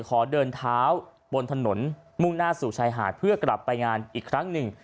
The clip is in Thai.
ขอเดินเท้าบนถนนมุ่งหน้าสู่ชายหาดเพื่อกลับไปงานอีกครั้งหนึ่ง